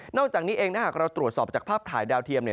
อกจากนี้เองถ้าหากเราตรวจสอบจากภาพถ่ายดาวเทียมเนี่ย